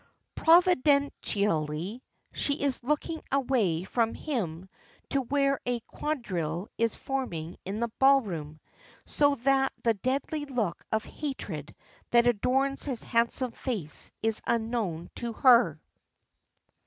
Providentially, she is looking away from him to where a quadrille is forming in the ballroom, so that the deadly look of hatred that adorns his handsome face is unknown to her.